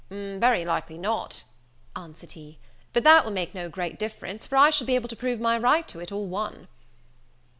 "Very likely not," answered he; "but that will make no great difference, for I shall be able to prove my right to it all one."